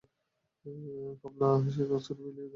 কমলা সেই কাগজখানা মেলিয়া ধরিয়া পড়িতে লাগিল।